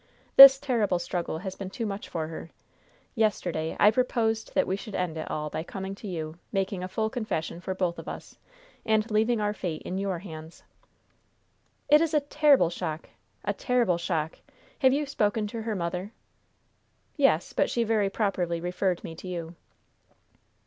This terrible struggle has been too much for her. Yesterday I proposed that we should end it all by coming to you, making a full confession for both of us, and leaving our fate in your hands." "It is a terrible shock! a terrible shock! Have you spoken to her mother?" "Yes; but she very properly referred me to you."